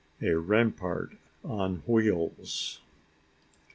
A RAMPART ON WHEELS.